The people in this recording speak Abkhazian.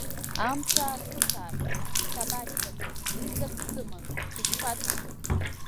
Амца ахысааит, сабашьҭахеи, ҩызак дсыман, дышԥаҭахеи!